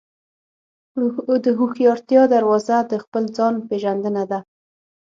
د هوښیارتیا دروازه د خپل ځان پېژندنه ده.